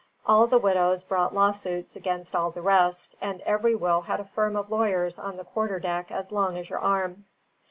All the widows brought lawsuits against all the rest, and every will had a firm of lawyers on the quarterdeck as long as your arm.